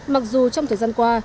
mặc dù trong thời gian qua